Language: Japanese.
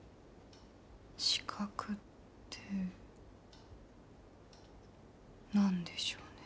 資格って何でしょうね。